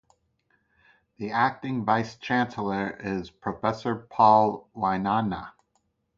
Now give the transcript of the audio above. The Acting Vice Chancellor is Professor Paul Wainaina.